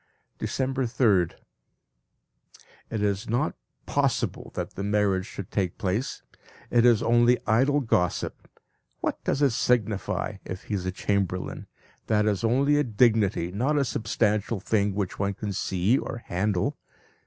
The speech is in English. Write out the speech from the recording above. December 3rd. It is not possible that the marriage should take place; it is only idle gossip. What does it signify if he is a chamberlain! That is only a dignity, not a substantial thing which one can see or handle.